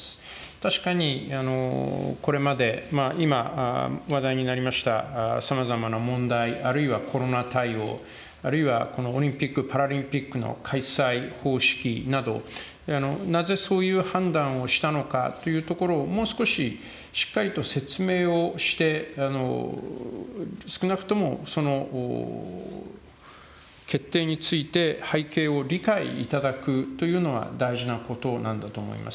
確かにこれまで、今、話題になりましたさまざまな問題、あるいはコロナ対応、あるいは、このオリンピック・パラリンピックの開催方式など、なぜそういう判断をしたのかというところを、もう少ししっかりと説明をして、少なくとも決定について、背景を理解いただくというのは大事なことなんだと思います。